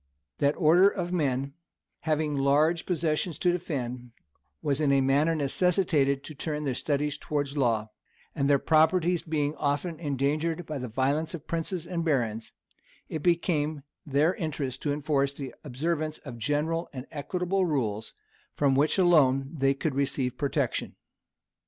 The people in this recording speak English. That order of men, having large possessions to defend, was in a manner necessitated to turn their studies towards the law; and their properties being often endangered by the violence of the princes and barons, it became their interest to enforce the observance of general and equitable rules, from which alone they could receive protection.